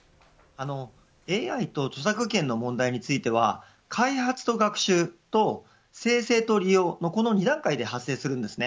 ＡＩと著作権の問題については開発と学習と生成と利用の２段階で発生します。